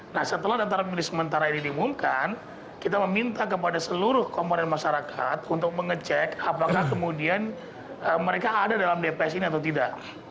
nah setelah data pemilih sementara ini dimungkan kita meminta kepada seluruh komponen masyarakat untuk mengecek apakah kemudian mereka ada dalam dps ini atau tidak